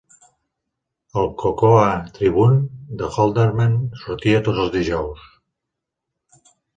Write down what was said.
El "Cocoa Tribune" de Holderman sortia tots els dijous.